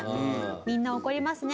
みんな怒りますね。